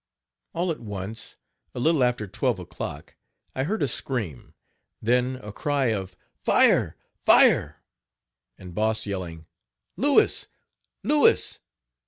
All at once, a little after twelve o'clock, I heard a scream, then a cry of "fire! fire!" and Boss yelling: "Louis! Louis!"